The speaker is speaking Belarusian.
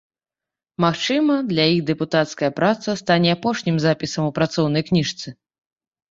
Магчыма, для іх дэпутацкая праца стане апошнім запісам у працоўнай кніжцы.